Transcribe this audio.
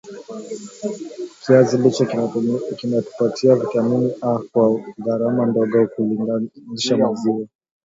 kiazi lishe kinatupatia vitamini A kwa gharama ndogo kulinganisha maziwa